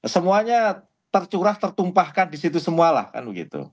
semuanya tercurah tertumpahkan di situ semua lah kan begitu